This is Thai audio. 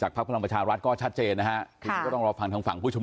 เราก็ฟังฟังความคิดเห็นที่แตกต่างก็ไปสู่ทางพูดคุย